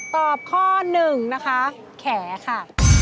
ตอบข้อหนึ่งนะคะแขค่ะ